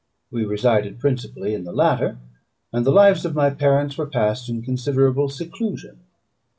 We resided principally in the latter, and the lives of my parents were passed in considerable seclusion.